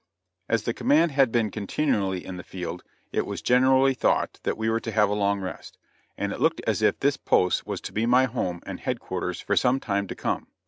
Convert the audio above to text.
As the command had been continually in the field, it was generally thought that we were to have a long rest; and it looked as if this post was to be my home and headquarters for some time to come.